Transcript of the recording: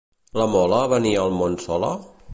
La Mola venia al món sola?